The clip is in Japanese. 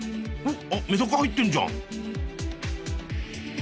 あっメダカ入ってんじゃん。